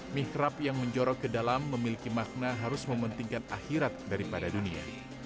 mihrab yang menjorok ke dalam memiliki makna harus mementingkan akhirat daripada dunia